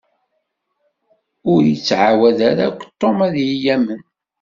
Ur ittɛawad ara akk Tom ad yi-yamen.